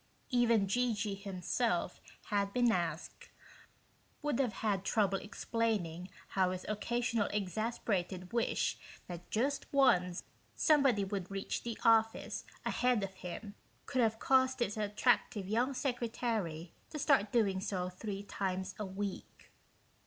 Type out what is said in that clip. Even G.G. himself, had he been asked, would have had trouble explaining how his occasional exasperated wish that just once somebody would reach the office ahead of him could have caused his attractive young secretary to start doing so three times a week